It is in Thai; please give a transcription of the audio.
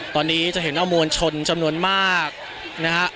ตอนนี้จะเห็นว่ามวลชนจำนวนมากนะฮะ